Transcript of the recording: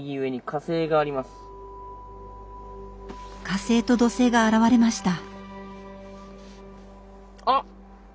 火星と土星が現れました！